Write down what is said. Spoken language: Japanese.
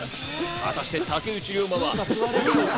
果たして、竹内涼真は吸うのか？